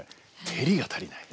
照りが足りない。